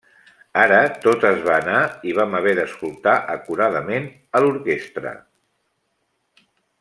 Ara tot es va anar i vam haver d'escoltar acuradament a l'orquestra.